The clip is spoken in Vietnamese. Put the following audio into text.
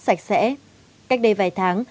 sạch sẽ cách đây vài tháng